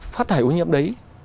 phát thải uống nhiễm đấy